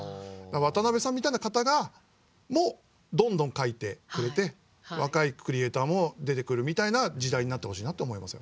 渡辺さんみたいな方もどんどん書いてくれて若いクリエーターも出てくるみたいな時代になってほしいなって思いますよ。